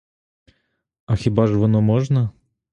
А хіба ж воно можна?